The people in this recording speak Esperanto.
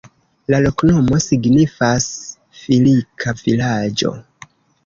La loknomo signifas: filika-vilaĝo.